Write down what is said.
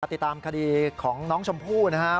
ติดตามคดีของน้องชมพู่นะครับ